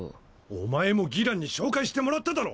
おまえも義爛に紹介してもらっただろ！